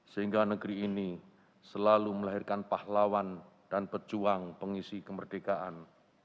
sehingga negeri ini selalu melahirkan pahlawan dan pejuang pengisi kemerdekaan